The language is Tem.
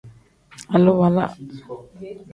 Aliwala.